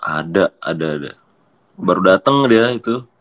ada ada ada baru dateng dia itu